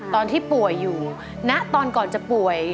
ตอนที่ป่วยอยู่ณตอนก่อนจะป่วย